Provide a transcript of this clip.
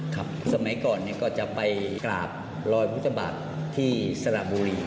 สมัยก่อนก็จะไปกราบรอยพุทธบาทที่สระบุรี